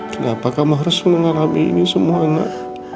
kenapa kamu harus mengalami ini semua nak